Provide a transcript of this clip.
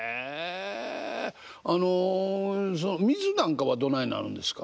あの水なんかはどないなるんですか？